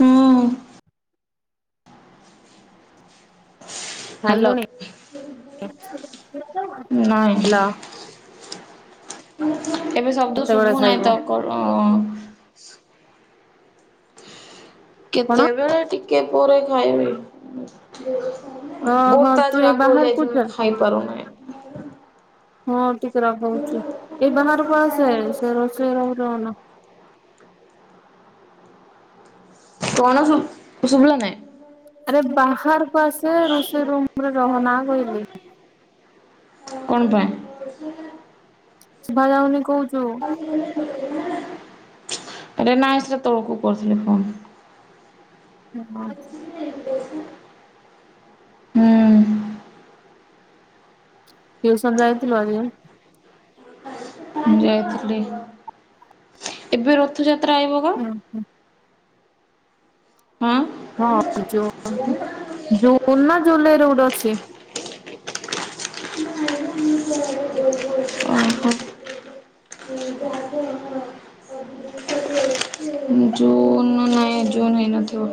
ହୁଁ। ହ୍ୟାଲୋ ଖାଇଲୁଣି ନାଇଁ। ହେଲା ଏବେ ଶବ୍ଦ କେତେବେଳେ ଶୁଭୁ ନାହିଁ ଖାଇବୁ ତ କର। କଣ କେତେବେଳେ ଟିକେ ପରେ ଖାଇବି। ଓହୋ ବୋରତା ତୁ ଆଜି ଏ ରାଗ ବାହାରକୁ ହେଇଯାଇଛି ଯା ଖାଇପାରୁନାହିଁ। ହଁ ଟିକେ ରାଗ ହଉଛି ଏଇ ବାହାରକୁ ଆସେ ସେ ରୋଷେଇ ଘରେ ରହନା। କଣ ଶୁ ଶୁଭିଲା ନାହିଁ। ଆରେ ବାହାରକୁ ଆସେ ରୋଷେଇ ରୁମରେ ରହନା କହିଲି। କଣ ପାଇଁ? ଶୁଭା ଯାଉନି କହୁଛ ଆରେ ନାଇଁ ସେ ତଳକୁ କରିଥିଲି ଫୋନ୍। ହୁଁ ହଁ। ହୁଁ। ଟ୍ୟୁସନ ଯାାଇଥିଲୁ ଆଜି? ମୁଁ ଯାଇଥିଲି ଏବେ ରଥଯାତ୍ରା ଆଇବ ପା। ଓହୋ। ହଁ। ହଁ ଜୁ ଜୁନ୍ ନା ଜୁଲାଇରେ ଗୋଟେ ଅଛି। [unintelligible] ଓହୋ। ଜୁନ୍ ନାଇଁ। ହେ ଜୁନ ହେଇନଥିବ।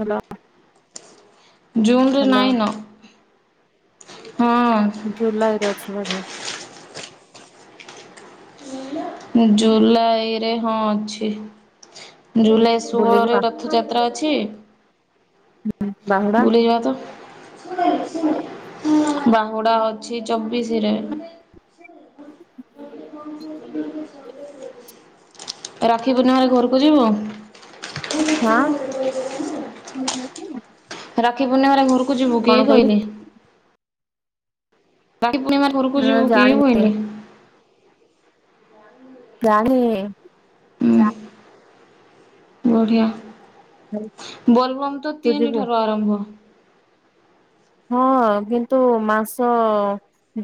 ହ୍ୟାଲୋ। ଜୁନରେ ନାଇନ। ହଁ। ଜୁଲାଇରେ ଅଛି ବୋଧେ। ଜୁଲାଇ ରେ ହଁ ଅଛି। ଜୁଲାଇ ଷୋହଳରେ ବୁଲିଯିବା ରଥଯାତ୍ରା ଅଛି ବାହୁଡା ବୁଲିଯିବା ତ। ବାହୁଡା ଅଛି ଚବିଶି ରେ। ରାକ୍ଷୀ ପୂର୍ଣ୍ଣିମାରେ ଘରକୁ ଯିବୁ? ହଁ। ରାକ୍ଷୀ ପୂର୍ଣ୍ଣିମାରେ ଘରକୁ ଯିବୁ କଣ କି କହିଲୁ କହିଲି? ରାଖି ପୁର୍ଣ୍ଣିମା ଘରକୁ ଯିବୁ କି ଜାଣିନି ବୋଇଲି? ଜାଣିନି। ହୁଁ ବଢିଆ ବୋଲବମ ତ ତୁ ତିନି ଯିବୁ ଠାରୁ ଆରମ୍ଭ। ହଁ କିନ୍ତୁ ମାସ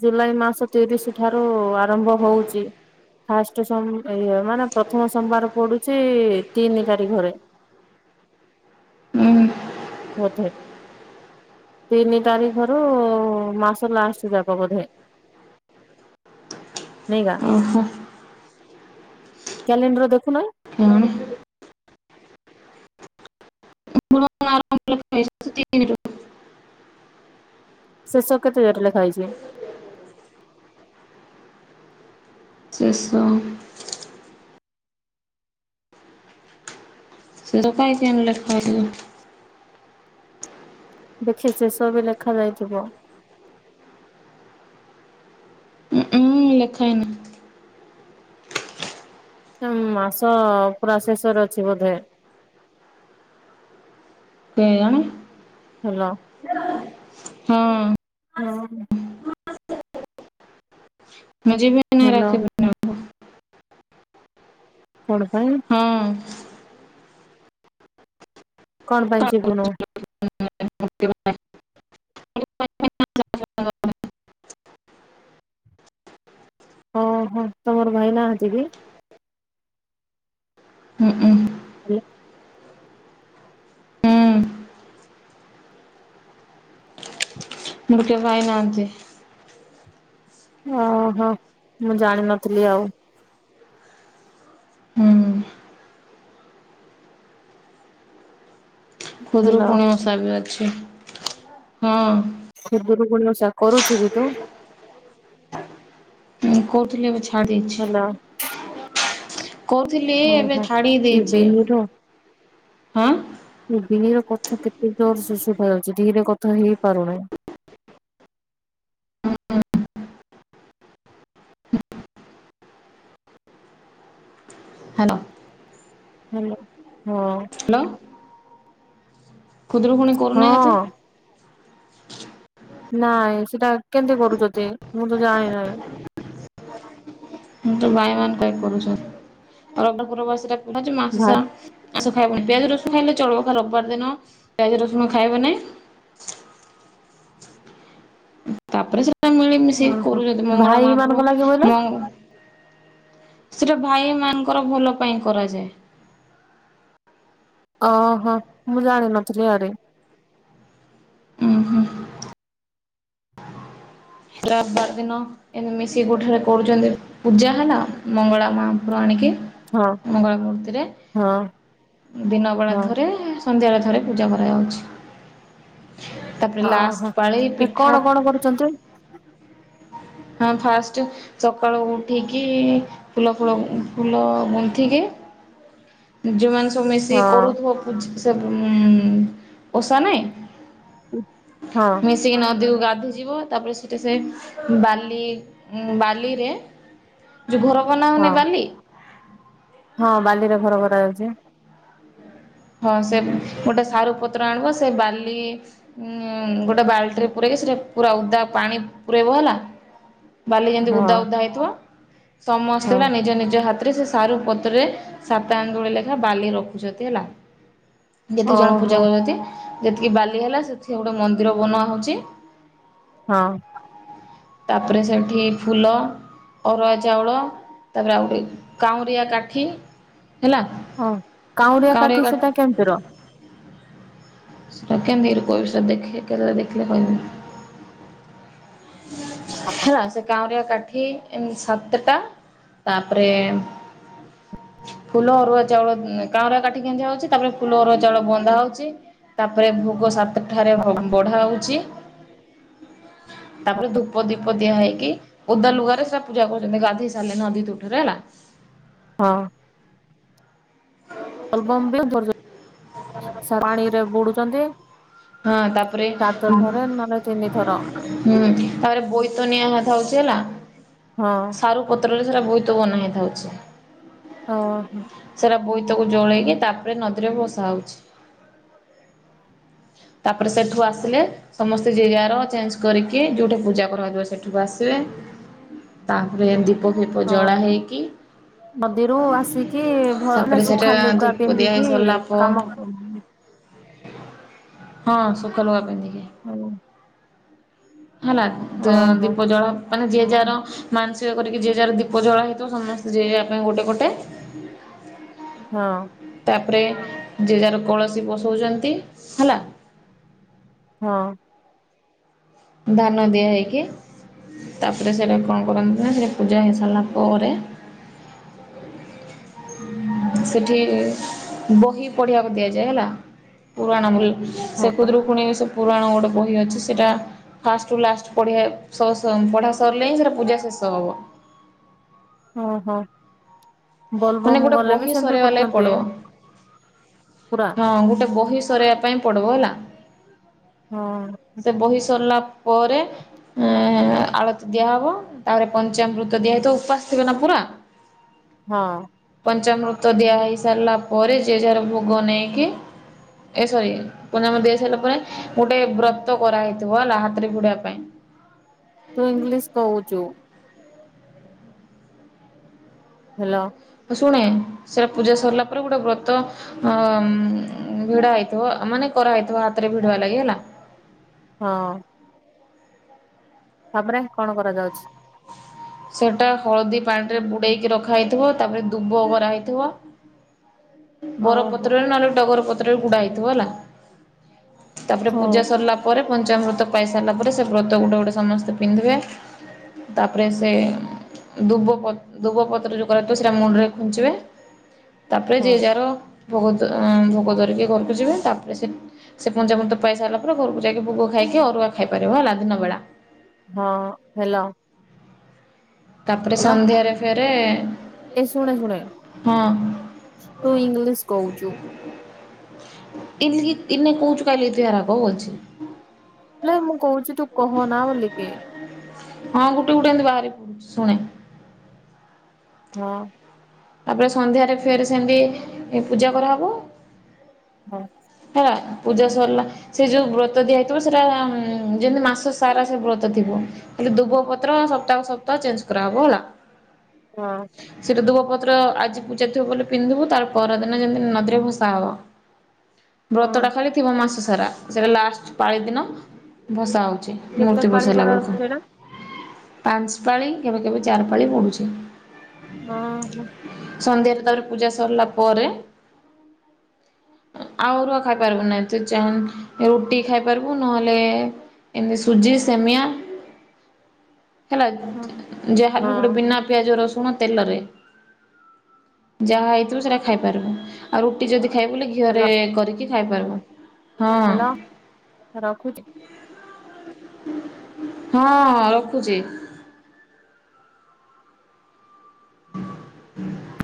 ଜୁଲାଇ ମାସ ତିରିଶ ଠାରୁ ଆରମ୍ଭ ହଉଛି। ଫାଷ୍ଟ ସୋ ଇଏ ମାନେ ପ୍ରଥମ ସୋମବାର ପଡୁଛି ତିନି ତାରିଖରେ। ହୁଁ ବୋଧେ। ତିନି ତାରିଖର ମାସ ଲାଷ୍ଟ ଯାକ ବୋଧେ। ନେଇବା ଓହୋ କ୍ୟାଲେଣ୍ଡର ଦେଖୁନ। କଣ [unintelligible] ଶେଷକୁ କେତେ ଡେଟ ଲେଖା ଯାଇଛି? ଚଶହ ସେ ଦୋକାଇ କେ ଆଣିଲେ ଖ। ଦେଖି ଶେଷ ବି ଲେଖା ଯାଇଥିବ। ହୁଁ ଲେଖାଏନାହିଁ। ମାସ ପୁରା ଶେଷରେ ଅଛି ବୋଧେ।। ସେ ଜାଣି ହଲୋ? ହଁ। ହଁ। [inaudible] ହଲୋ। ପୂର୍ଣ୍ଣିମାକୁ କଣ ପାଇଁ? ହଁ। କଣ ପାଇଁଜିବୁନୁ? [unintelligible] ଓହୋ ତମର ଭାଇନା ନାହାନ୍ତି କି? ହୁଁ ଉଁ। [unintelligible] ମୋର ମୋର କେହି ଭାଇ ନାହାନ୍ତି। ଓହୋ ମୁଁ ଜାଣିନଥିଲି ଆଉ। ହୁଁ ଖୁଦରୁ ହେଲା କୁଣି ଓଷା ବି ଅଛି। ହଁ। ସେ ଦୁର୍ଗୁଣଷ କରୁଛୁ କି ତୁ? [unintelligible] ହେଲା। କହୁଥିଲି ଏବେ ଓହୋ। ଛାଡ଼ି ଏ ଦେଇଛି। ବିନିର ହାଁ? [unintelligible] କଥା କେତେ ଜୋର ଶୁଭା ଯାଉଛି ଧିରେ କଥା ହେଇ ପାରୁନାହିଁ? ହ୍ୟାଲୋ। ହଲୋ, ହଁ। ହ୍ୟାଲୋ। ଖୁଦ୍ରୁ କୁଣି କରୁନାହି ହଁ ନାଇଁ ସେଟା କେମିତି କରୁଛନ୍ତି? ମୁଁ ତ ଜାଣିିନାହିଁ। ମୁ ତ ବୟାନ କାଇ କରୁଛସ [unintelligible] ମାସ ଭାଇ ଆଇଁଷ ଖାଇବନି। ପିଆଜ ରସୁ ଖାଇଲେ ଚଳବ। ରବିବାର ଦିନ, ପିଆଜ ରସୁଣ ଖାଇବନାଇ। ତାପରେ ସେଟା ମିଳିମିଶି ଓହୋ କରୁଛନ୍ତି। ମଙ୍ଗଳା ଭାଇ ମାନଙ୍କ ମାପରୁ ଲାଗି ବୋଇଲେ ସେଟା ଭାଇ ମାଙ୍କର ଭଲ ପାଇଁ କରାଯାଏ। ଓହୋ ମୁଁ ଜାଣିନଥିଲି ଆରେ ଓଁ ହୋ। [unintelligible] ଦିନ। ଏ ମିଶିକି ଗୋଠରେ କରୁଛନ୍ତି। ପୂଜା ହେଲା ମଙ୍ଗଳା ମାପରୁ ଆଣିକି ହଁ ମଙ୍ଗଳା ମୂର୍ତ୍ତିରେ ହଁ ଦିନବେଳା ହଁ ଥରେ ସନ୍ଧ୍ୟାବେଳେ ଥରେ ପୂଜା କରାଯାଉଛି। ତାପରେ ଲାଷ୍ଟ ଓହୋ। ପାଳି ସେ କଣ ପିଠା କଣ କରୁଛନ୍ତି। ହଁ ଫାଷ୍ଟ ସକାଳୁ ଉଠିକି ଫୁଲ ଫୁଳ, ଫୁଲ ଗୁନ୍ଥିକି ଯେଉଁମାନେ ସବୁ ମିଶିକି ହଁ କରୁଥିବ, ସେ ଓଷା ହଁ ନାହିଁ [inaudible] ସେ ନଦୀକୁ ଗାଧୋଇ ଯିବ, ତାପରେ ସେଟା ସେ ବାଲି, ବାଲିରେ ଯୋଉ ଘର ହଁ ବନାଉନି ବାଲି। ହଁ, ବାଲିରେ ଘର କରାଯାଉଛି। ହଁ, ସେ ଗୋଟେ ସାରୁ ପତ୍ର ଆଣିବ ସେ ବାଲି ଉଁ -ଗୋଟେ ବାଲ୍ଟିରେ ପୁରେଇକି ସେଟା ପୁରା ଉଦା ପାଣି ପୁରେଇବ ହେଲା। ବାଲି ଯେନ୍ତି ହଁ। ଉଦା ଉଦା ହେଇଥିବ ହଁ ସମସ୍ତେ ହେଲା ନିଜ ନିଜ ହାତ ଥିରେ ସେ ସାରୁ ପତ୍ରରେ ସାତ ଆନ୍ଦୁଳି ଲେଖା ବାଲି ରଖୁଚନ୍ତି ହେଲା। ଯେତିକି ଜଣ ଓହୋ ପୂଜା କରୁଚନ୍ତି ଯେତିକି ବାଲି ହେଲା ସେଥିି ଗୋଟେ ମନ୍ଦିର ବନା ହଉଚି। ହଁ। ତାପରେ ସେଠି ଫୁଲ ଅରୁଆ ଚାଉଳ ତାପରେ ଆଉ ଗୋଟେ କାଉଁରିଆ କାଠି ହେଲା। ହଁ- କାଉଁରିଆ କାଠି ସେଟା କେମିତିର? [unintelligible] ହେଲା ସେ କାଉଁରିଆ କାଠି ଏଁ- ସାତଟା ତାପରେ ଫୁଲ ଅରୁଆ ଚାଉଳ ଉଁ- କାଁଉରିଆ କାଠି ଗେଞ୍ଜା ହଉଚି ତାପରେ ଫୁଲ ଅରୁଆ ଚାଉଳ ବନ୍ଦା ହଉଚି ତାପରେ ଭୋଗ ସାତ୍ ଠାରେ ବଢା ହଉଚି। ତାପରେ ଧୂପ ଦୀପ ଦିଆ ହେଇକି ଓଦା ଲୁଗାରେ ସେ ପୂଜା କରୁଚନ୍ତି ଗାଧେଇ ସାରିଲେ ନଦୀ ତୁଠରେ ହେଲା। ହଁ। ବୋଲବମ୍ ବି କରୁଚନ୍ତି [unintelligible] ପାଣିରେ ବୁଡୁଚନ୍ତି ହଁ-ତାପରେ ତିନି ଥର ହୁଁ-ତାପରେ ବୋଇତ ନିଆଁ ହାତ ହଉଚି ହେଲା। ହଁ। ସାରୁ ପତ୍ରରେ ସେଟା ବୋଇତ ବନା ହେଇଥାଉଚି। ଓ ହୋ। ସେଟା ବୋଇତକୁ ଜଳେଇକି ତାପରେ ନଦୀରେ ଭସା ହଉଚି। ତାପରେ ସେଠୁ ଆସିଲେ ସମସ୍ତେ ଜିଏ ଜାର ଚେଞ୍ଜ୍ କରିକି ଯଉଠେ ପୂଜା କରାଯିବ ସେଠିକୁ ଆସିବେ‌ ତାପରେ ଦୀପ ଫିପ ଜଳା ଓହୋ ହେଇକି ନଦୀରୁ ଆସିକି ମାନେ ତାପରେ ସେଟା ସୁଖା ଲୁଗା ଧୂପ ଦିଆ ପିନ୍ଧିକି ହେଇ ସରିଲା କାମ ପରେ ଓହୋ ହଁ ସୁତା ଲୁଗା ପିନ୍ଧିକି। ହଉ। ହେଲା ହଁ ଦୀପ ଜଳ ମାନେ ଯିଏ ଯାର ମାନସିକ କରିକି ଯିଏ ଯାର ଦୀପ ଜଳା ହେଇଥିବ ସମସ୍ତେ ଯିଏ ଯା ପାଇଁ ଗୋଟେ ଗୋଟେ ହଁ। ତାପରେ ଯିଏ ଯାର କଳସୀ ବସଉଚନ୍ତି ହେଲା। ହଁ। ଧାନ ଦିଆ ହେଇକି ତାପରେ ସେଟା କଣ କରନ୍ତି ନା ସେଟା ପୂଜା ହେଇସାରିଲା ପରେ ସେଠି ବହି ପଢ଼ିବାକୁ ଦିଆଯାଏ ହେଲା ପୁରାଣ ବୁଲ୍ ସେ ଖୁଦରୁକୁୁଣି ସେ ପୁରାଣ ଗୋଟେ ବହି ଅଛି ସେଟା ଫାଷ୍ଟ୍ ରୁ ଲାଷ୍ଟ୍ ପଢେ-ସ-ସ-ପଢା ସରିଲେ ହିଁ ସେଟା ପୂଜା ଶେଷ ହବ। ଓହୋ ମାନେ ବୋଲବମ୍ ଗୋଟେ ଗଲେ ବି ବହି ସେମିତି ସରେଇବା ଲାଗି କରୁଚନ୍ତି। ପଡିବ ପୁରା। ହଁ ଗୋଟେ ବହି ସରେଇବା ପାଇଁ ପଡିବ ହେଲା। ହଁ। ବହି ସରିଲା ପରେ ଅଁ-ଆଳତି ଦିଆ ହବ ତାପରେ ପଞ୍ଚାମୃତ ଦିଆ ହେଇଥିବ ଉପାସ ଥିବେ ନା ପୁରା। ହଁ। ପଞ୍ଚାମୃତ ଦିଆ ହେଇ ସାରିଲା ପରେ ଯିଏ ଯାର ଭୋଗ ନେଇକି ଏ ସରି ପଞ୍ଚାମୃତ ଦେଇ ସାରିଲା ପରେ ଗୋଟେ ବ୍ରତ୍ ତ କରାହେଇଥିବ ହେଲା ହାତରେ ଗୁଡେଇବା ପାଇଁ। ତୁ ଇଂଲିଶ କହୁଚୁ। ହାଲୋ। ହଁ- ଶୁଣେ ସେଟା ପୂଜା ସରିଲା ପରେ ଗୋଟେ ବ୍ରତ ହଁ ଭିଡା ହେଇଥିବ ମାନେ କରା ହେଇଥିବ ହାତରେ ଭିଡିଓ ଲାଗି ହେଲା। ହଁ। ତାପରେ କଣ କରାଯାଉଛି? ସେଟା ହଳଦୀ ପାଣି ରେ ବୁଡେଇକି ରଖା ହେଇଥିବ, ତାପରେ ଦୁବ କରାହେଇଥିବ। ଓହୋ ବରପତ୍ରରେ ନହେଲେ ଡଗର ପତ୍ରରେ ଗୁଡା ହେଇଥିବ ହେଲା, ତାପରେ ହଁ ପୂଜା ସରିଲା। ପରେ ପଞ୍ଚାମୃତ ପାଇ ସାରିଲା ପରେ ସେ ବ୍ରତ ଗୁଟେ ଗୋଟେ ସମସ୍ତେ ପିନ୍ଧିବେ। ତାପରେ ସେ ଦୁବ ପ ଦୁବ ପତ୍ର ଯୋଉ କରାଥିବ ସେଟା ମୁଣ୍ଡରେ ଖୁଞ୍ଚିବେ। ତାପରେ ହଁ ଯିଏ ଯାହାର ଭୋଗ ଭୋଗ ଧରିକି ଘରକୁ ଯିବେ ତାପରେ ସେ ସେ ପଞ୍ଚାମୃତ ପାଇ ସାରିଲା ପରେ ଘରକୁ ଯାଇକି ଭୋଗ ଖାଇକି ଅରୁଆ ଖାଇପାରିବ ହେଲା ଦିନ ବେଳା। ହଁ ହେଲା। ତାପରେ ସନ୍ଧ୍ୟାରେ ଫେରେ ଏ ଶୁଣେ ଶୁଣେ ହଁ ତୁ ଇଂଲିଶ କହୁଛୁ? [unintelligible] ହେଲେ ମୁଁ କହୁଛି ତୁ କହନା ବୋଲିକି? ହଁ ଗୋଟେ ଗୋଟେ ଏମିତି ବାହାରି ପଡୁଛି ଶୁଣେ? ହଁ। ତାପରେ ସନ୍ଧ୍ୟାରେ ଫେର୍ ସେମିତି ପୂଜା କରାହେବ। ହଁ। ହେଲା ପୂଜା ସରିଲା ସେ ଯୋଉ ବ୍ରତ ଦିଆଯଇଥିବ ସେଟା ଯେମିତି ମାସ ସାରା ସେ ବ୍ରତ ଥିବ। ହେଲେ ଦୁବ ପତ୍ର ସପ୍ତାହକୁ ସପ୍ତାହ ଚେଞ୍ଜ କରାହେବ ହେଲା। ହଁ। ସେଟା ଧୁବପତ୍ର ଆଜି ପୂଜା ଥିବ ବୋଲି ପିନ୍ଧିବୁ ତାର ପରଦିନ ଯେମିତି ନଦୀରେ ଭସା ହବ। ବ୍ରତଟା ହଁ ଖାଲି ଥିବା ମାସ ସାରା ସେଟା ଲାଷ୍ଟ ପାଳି ଦିନ ଭସା ହଉଛି। କେତେ ମୂର୍ତ୍ତି ପାଳି ବସେଇଲା କରାହଉଛି ବେଳକୁ। ସେଇଟା ପାଞ୍ଚ ପାଳି କେବେ କେବେ ଚାରି ପାଳି ପଡୁଛି। ହଁ ହଁ ସନ୍ଧ୍ୟାରେ ତାପରେ ପୂଜା ସରିଲା ପରେ। ଆଉ ଅରୁଆ ଖାଇ ପାରିବୁ ନାହିଁ ତୁ ଚା ରୁଟି ଖାଇପାରିବୁ ନହେଲେ ଏମତି ସୁଜି ସେମିଆ ହେଲା ଯାହାବି ଗୋଟେ ହଁ ବିନା ପିଆଜ ରସୁଣ ତେଲରେ। ଯାହା ହେଇଥିବ ସେଇଟା ଖାଇପାରିବୁ ଆଉ ରୁଟି ଯଦି ଖାଇବୁ ଘିଅରେ ହଲୋ କରିକି ଖାଇପାରିବ ହଁ। ହଲୋ ରଖୁଛି ହଁ ରଖୁଛି? ହୁ ହୁଁ।